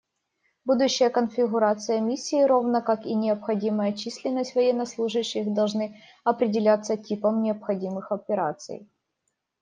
Будущая конфигурация Миссии, равно как и необходимая численность военнослужащих, должны определяться типом необходимых операций.